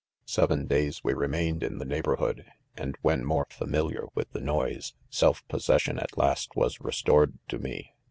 x j l Seven, days we remained: in'the neighbor lllod, and when more familiar with the, noise.,, "self possession, at last was restored to me.